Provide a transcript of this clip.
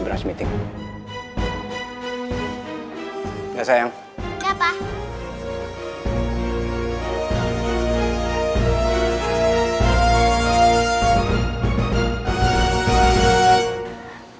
sekarang tiba tiba pengen ngantriin abi ke sekolah